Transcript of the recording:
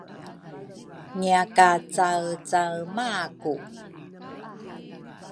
ngiakacaecaemaku.